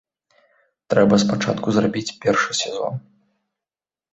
Трэба спачатку зрабіць першы сезон.